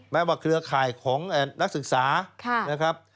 ว่าเครือข่ายของนักศึกษานะครับ